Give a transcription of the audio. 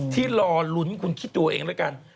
ที่รอลุ้นคุณคิดดูเองแล้วกัน